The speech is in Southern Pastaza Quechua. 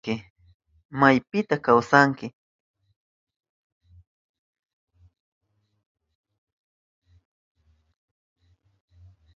¿Maypita kawsanki?